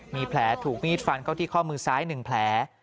มีแผลถูกมีดฟันเข้าที่ข้อมือซ้าย๑แผล